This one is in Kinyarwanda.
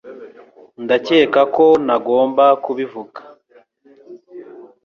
Ndakeka ko ntagomba kubivuga